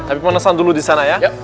tapi pemesan dulu di sana ya